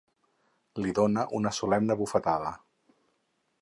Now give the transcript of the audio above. Li donà una solemne bufetada.